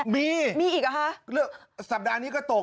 มีมีอีกเหรอคะสัปดาห์นี้ก็ตก